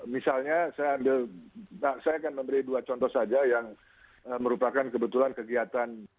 misalnya saya ambil saya akan memberi dua contoh saja yang merupakan kebetulan kegiatan